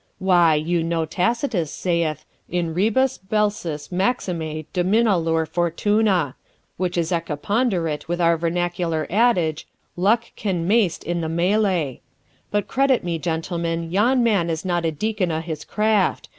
Why, you know Tacitus saith, "In rebus bellicis maxime dominalur Fortuna," which is equiponderate with our vernacular adage, "Luck can maist in the mellee." But credit me, gentlemen, yon man is not a deacon o' his craft.